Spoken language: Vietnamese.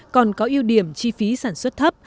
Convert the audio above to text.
còn có ưu điểm chi phí sản xuất thấp